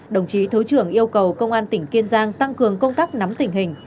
đồng chí thứ trưởng yêu cầu công an tỉnh kiên giang tăng cường công tác nắm tình hình